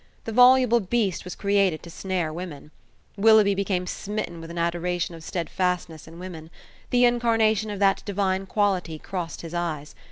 The voluble beast was created to snare women. Willoughby became smitten with an adoration of stedfastness in women. The incarnation of that divine quality crossed his eyes.